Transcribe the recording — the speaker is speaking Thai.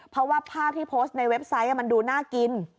เพราะว่าภาพที่โพสต์ในเว็บไซต์มันดูน่ากิน